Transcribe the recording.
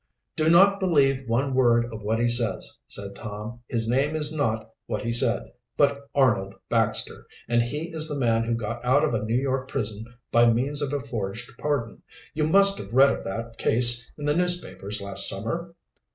"Do not believe one word of what he says," said Tom. "His name is not what he said, but Arnold Baxter, and he is the man who got out of a New York prison by means of a forged pardon. You must have read of that case in the newspapers last summer?"